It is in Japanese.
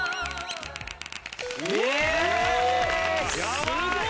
すごい！